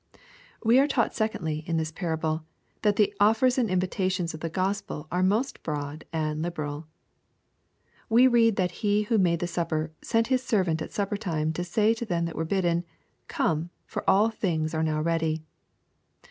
We are taught, secondly, in this parable, that the offers and invitations of the Gospel are most broad and liberal. We read that he who made the supper " sent his servant at supper time to say to them that were bidden. Come : for all things are now ready."